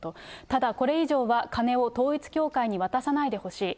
ただ、これ以上は、金を統一教会に渡さないでほしい。